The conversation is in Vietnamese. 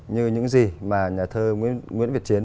như những gì mà nhà thơ nguyễn việt chiến